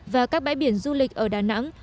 và các bãi biển du lịch ở đà nẵng